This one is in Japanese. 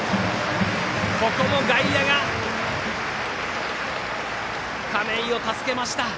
ここも外野が亀井を助けました！